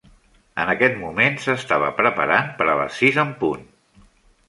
En aquest moment s'estava preparant per a les sis en punt.